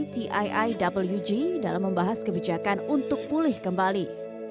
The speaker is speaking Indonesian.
tiiwg dalam membahas kebijakan untuk pulih kembali